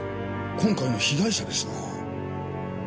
今回の被害者ですなぁ。